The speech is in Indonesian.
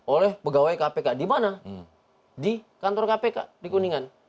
oleh pegawai kpk dimana di kantor kpk di kuningan